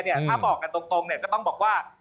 ถ้าบอกกันตรงก็ต้องบอกว่า